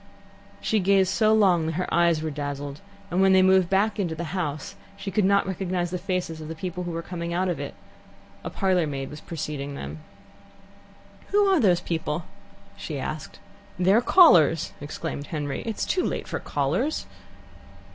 She gazed so long that her eyes were dazzled, and when they moved back to the house, she could not recognize the faces of people who were coming out of it. A parlour maid was preceding them. "Who are those people?" she asked. "They're callers!" exclaimed Henry. "It's too late for callers."